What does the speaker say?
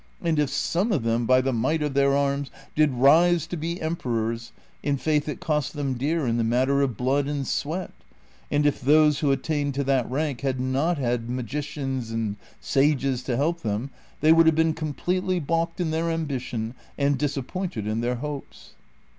And if some of them by the might of their arms did rise to be emperors, in faith it cost them dear in the matter of blood and sweat ; and if those who attained to that rank had not had magicians and sages to help them they would have been completely balked in" their ambition and disappointed in their hopes."